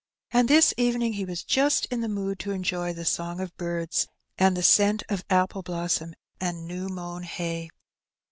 And this evening he was just in the mood to enjoy the song of birds, and the scent of apple blossom and new mown hay.